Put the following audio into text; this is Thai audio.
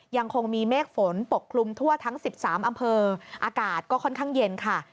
ยังคงมีเมฆฝนปกคลุมทั่วทั้ง๑๓อำเภออากาศก็ค่อนข้างเย็นค่ะ